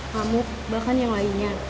pamuk bahkan yang lainnya